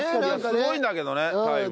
すごいんだけどねタイも。